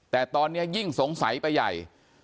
แต่ตอนนี้ยิ่งสงสัยไปใหญ่